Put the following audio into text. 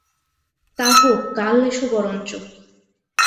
তা হোক, কাল এসো বরঞ্চ।